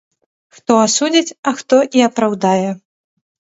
Хто асудзіць, а хто і апраўдае.